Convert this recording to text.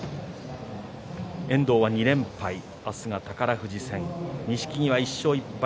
遠藤は２連敗明日は宝富士戦錦木は１勝１敗